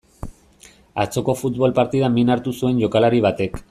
Atzoko futbol partidan min hartu zuen jokalari batek.